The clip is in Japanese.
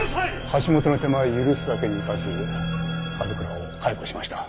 橋本の手前許すわけにいかず角倉を解雇しました。